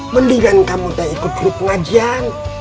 mendingan kamu kayak ikut grup pengajian